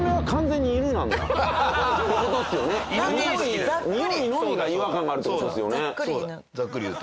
においのみが違和感があるって事ですよね。